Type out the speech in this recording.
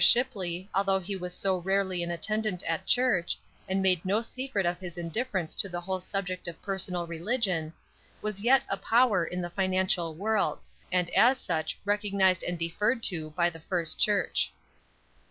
Shipley, although he was so rarely an attendant at church, and made no secret of his indifference to the whole subject of personal religion, was yet a power in the financial world, and as such recognized and deferred to by the First Church.